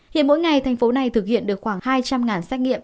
hiện mỗi ngày thành phố này thực hiện được khoảng hai trăm linh xét nghiệm